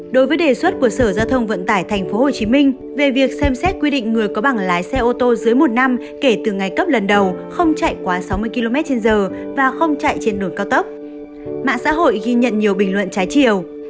đối với đề xuất của sở giao thông vận tải tp hcm về việc xem xét quy định người có bảng lái xe ô tô dưới một năm kể từ ngày cấp lần đầu không chạy quá sáu mươi km trên giờ và không chạy trên đường cao tốc mạng xã hội ghi nhận nhiều bình luận trái chiều